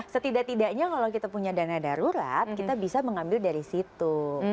setidak tidaknya kalau kita punya dana darurat kita bisa mengambil dari situ